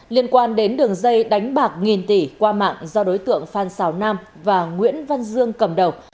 liên quan đến đường dây đánh bạc nghìn tỷ qua mạng do đối tượng phan xào nam và nguyễn văn dương cầm đầu